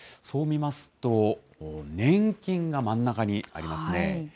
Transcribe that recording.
そう見ますと、年金が真ん中にありますね。